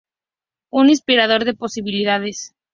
Un inspirador de posibilidades.